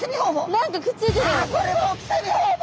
何かくっついてる。